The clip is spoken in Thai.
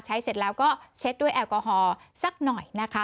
เสร็จแล้วก็เช็ดด้วยแอลกอฮอลสักหน่อยนะคะ